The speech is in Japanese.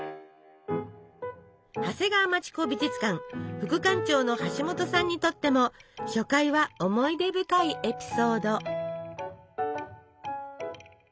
長谷川町子美術館副館長の橋本さんにとっても初回は思い出深いエピソード。